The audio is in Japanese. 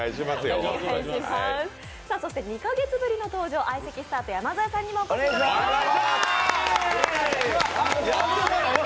そして２か月ぶりの登場、相席スタートの山添さんにもお越しいただきました。